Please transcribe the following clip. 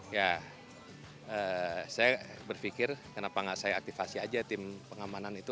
ya saya berpikir kenapa nggak saya aktifasi aja tim pengamanan itu